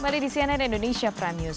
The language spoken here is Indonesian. kembali di cnn indonesia prime news